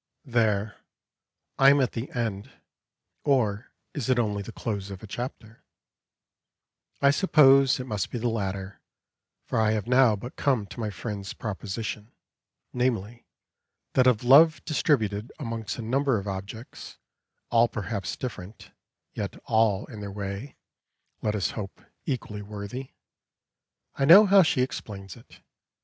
There, I am at the end; or is it only the close of a chapter? I suppose it must be the latter, for I have but now come to my friend's proposition, namely, that of love distributed amongst a number of objects; all perhaps different, yet all in their way, let us hope, equally worthy. I know how she explains it.